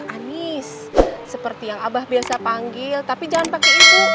anies seperti yang abah biasa panggil tapi jangan pakai itu